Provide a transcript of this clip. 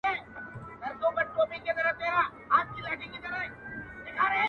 له ناكامه يې ويل پرې تحسينونه٫